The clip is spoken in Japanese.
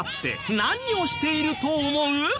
何をしていると思う？